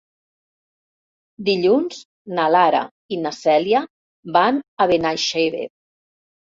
Dilluns na Lara i na Cèlia van a Benaixeve.